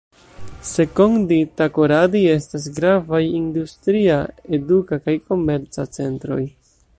Sekondi-Takoradi estas gravaj industria, eduka kaj komerca centroj.